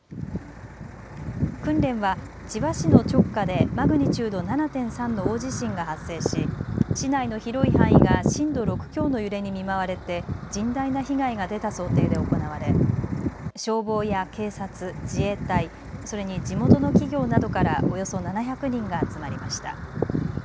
訓練は千葉市の直下でマグニチュード７．３の大地震が発生し、市内の広い範囲が震度６強の揺れに見舞われて甚大な被害が出た想定で行われ消防や警察、自衛隊、それに地元の企業などからおよそ７００人が集まりました。